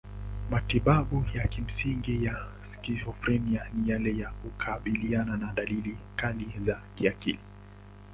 Matibabu ya kimsingi ya skizofrenia ni yale ya kukabiliana na dalili kali za kiakili.